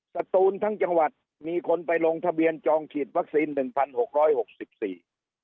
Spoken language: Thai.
สตูนทั้งจังหวัดมีคนไปลงทะเบียนจองฉีดวัคซีนหนึ่งพันหกร้อยหกสิบสี่